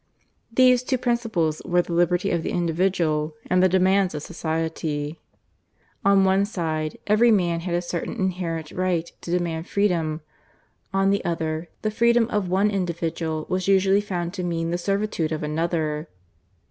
These two principles were the liberty of the individual and the demands of society. On one side, every man had a certain inherent right to demand freedom; on the other, the freedom of one individual was usually found to mean the servitude of another.